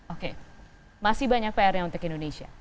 oke masih banyak pr nya untuk indonesia